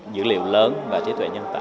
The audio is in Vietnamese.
dữ liệu lớn